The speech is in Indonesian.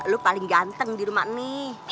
lu paling ganteng di rumah nih